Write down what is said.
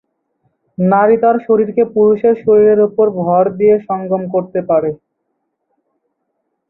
নারী তার শরীরকে পুরুষের শরীরের উপর ভর দিয়ে সঙ্গম করতে পারে।